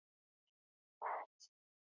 Porter had grown up in Watsonville, California.